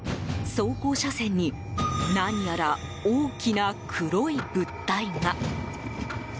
走行車線に何やら大きな黒い物体が。